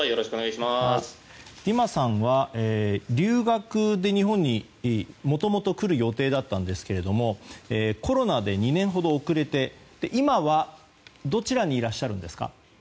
ディマさんは留学で日本にもともと来る予定だったんですけれどもコロナで２年ほど遅れて今はどちらにいらっしゃるんですか？